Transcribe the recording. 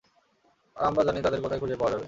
আর আমরা জানি তাদের কোথায় খুঁজে পাওয়া যাবে।